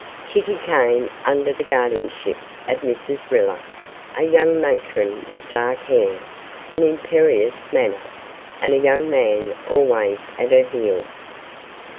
Kitty came under the guardianship of Mrs Riller, a young matron with dark hair, an imperious manner, and a young man always at her heels.